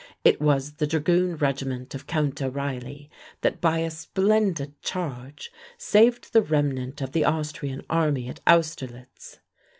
It was the dragoon regiment of Count O'Reilly that by a splendid charge saved the remnant of the Austrian army at Austerlitz.